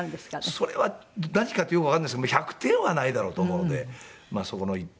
それは何かってよくわかんないですけど１００点はないだろうと思うのでまあそこの１点。